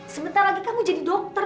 sebentar lagi kamu jadi dokter